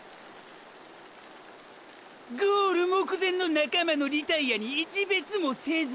ゴール目前の仲間のリタイアに一瞥もせず！！